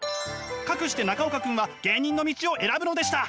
かくして中岡君は芸人の道を選ぶのでした！